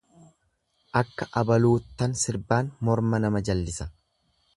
Akka abaluuttan sirbaan morma nama jallisa.